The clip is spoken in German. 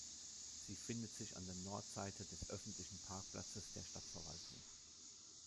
Sie findet sich an der Nordseite des öffentlichen Parkplatzes der Stadtverwaltung.